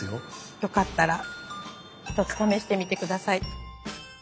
よかったら一つ試してみてください。